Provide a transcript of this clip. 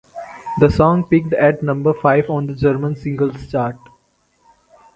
The song peaked at number five on the German Singles Chart.